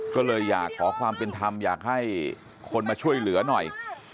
ก็เลยอยากขอความเป็นธรรมอยากให้คนมาช่วยเหลือหน่อย